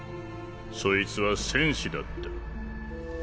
そいつは戦士だった。